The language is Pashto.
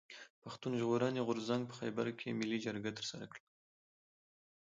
پښتون ژغورني غورځنګ په خېبر کښي ملي جرګه ترسره کړه.